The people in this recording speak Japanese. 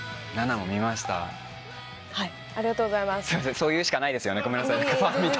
そう言うしかないですよねごめんなさいファンみたいに。